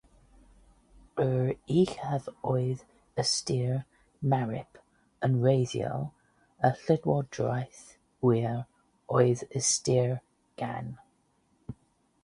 Yr uchaf oedd ystyr “marip” yn wreiddiol, a llywodraethwyr oedd ystyr “gan”.